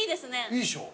いいっしょ？